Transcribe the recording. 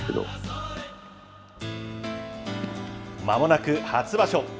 まもなく初場所。